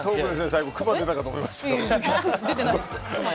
最後クマが出たかと思いました。